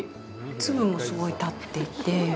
粒もすごい立ってて。